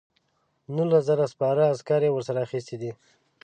نولس زره سپاره عسکر یې ورسره اخیستي دي.